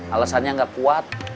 alasannya gak kuat